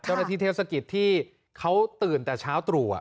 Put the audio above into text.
เจ้าหน้าที่เทศกิจที่เขาตื่นแต่เช้าตรู่